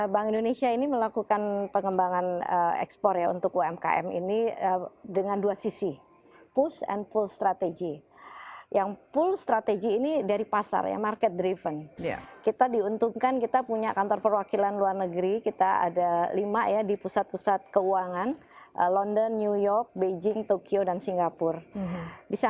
bank indonesia ini melakukan pengembangan ekspor ya untuk umkm ini dengan dua sisi push and pull strategy yang full strategi ini dari pasar yang market driven kita diuntungkan kita punya kantor perwakilan luar negeri kita ada lima ya di pusat pusat keuangan london new york beijing tokyo dan singapura